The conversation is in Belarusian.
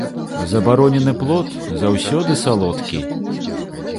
Забаронены плод заўсёды салодкі.